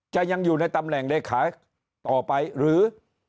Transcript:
ยังอยู่ในตำแหน่งเลขาต่อไปหรือ